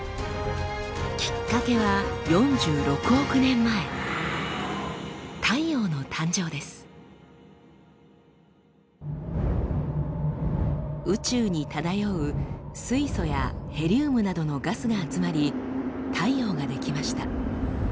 きっかけは４６億年前宇宙に漂う水素やヘリウムなどのガスが集まり太陽が出来ました。